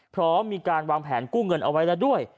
พร้อมมีการวางแผนกู้เงินเอาไว้แล้วด้วย